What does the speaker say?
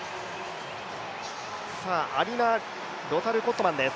アリナ・ロタルコットマンです。